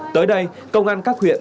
tới đây công an các huyện